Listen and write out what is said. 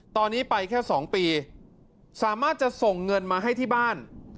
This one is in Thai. ตอนนี้ไปแค่๒ปีสามารถจะส่งเงินมาให้ที่บ้าน